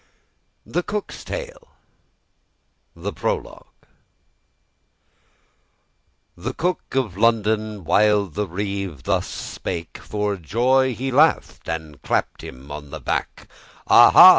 THE COOK'S TALE. THE PROLOGUE. THE Cook of London, while the Reeve thus spake, For joy he laugh'd and clapp'd him on the back: "Aha!"